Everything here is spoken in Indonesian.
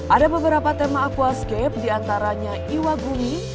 ada beberapa tema aquascape diantaranya iwagumi